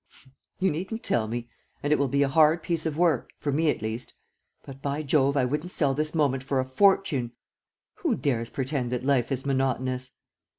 "You needn't tell me! And it will be a hard piece of work, for me, at least. ... But, by Jove, I wouldn't sell this moment for a fortune! Who dares pretend that life is monotonous?"